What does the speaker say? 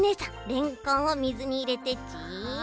れんこんを水にいれてち。